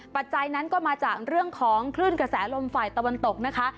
ปัจจัยนั้นก็มาจากเรื่องของคลื่นกระแสลมฝ่ายตะวันตกนะคะ